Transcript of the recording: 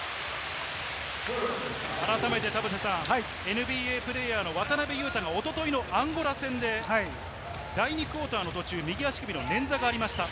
改めて田臥さん、ＮＢＡプレーヤーの渡邊雄太がおとといのアンゴラ戦で第２クオーターの途中、右足首の捻挫がありました。